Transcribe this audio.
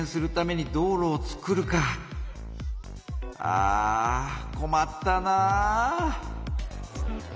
あこまったなぁ。